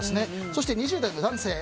そして２０代男性。